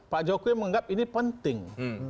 pak jokowi menganggap ini penting